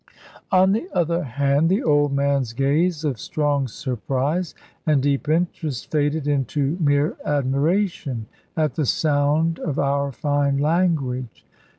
On the other hand the old man's gaze of strong surprise and deep interest faded into mere admiration at the sound of our fine language.